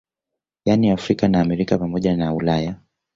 Yani Afrika na Amerika pamoja na Ulaya